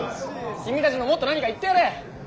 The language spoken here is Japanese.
君たちももっと何か言ってやれ。